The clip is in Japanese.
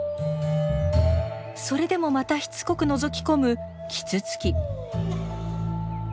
それでもまたしつこくのぞき込むキツツキ。